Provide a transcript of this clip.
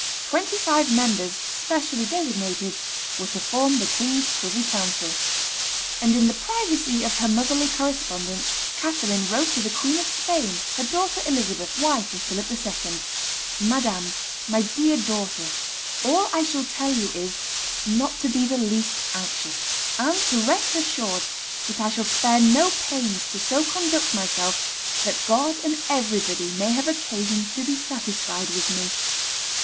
Twenty five members specially designated were to form the king's privy council. [Histoire des Etats generaux, by M. Picot, t. ii. p. 73.] And in the privacy of her motherly correspondence Catherine wrote to the Queen of Spain, her daughter Elizabeth, wife of Philip II., "Madame, my dear daughter, all I shall tell you is, not to be the least anxious, and to rest assured that I shall spare no pains to so conduct myself that God and everybody may have occasion to be satisfied with me.